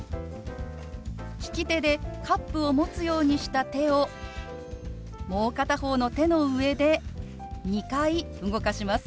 利き手でカップを持つようにした手をもう片方の手の上で２回動かします。